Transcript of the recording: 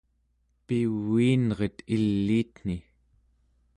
piviinret iliitni